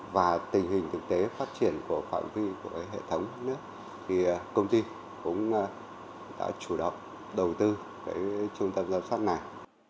và tình hình thực tế phát triển của phạm vi của hệ thống nước thì công ty cũng đã chủ động đầu tư trung tâm giám sát này